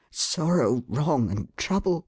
" Sorrow, wrong, and trouble !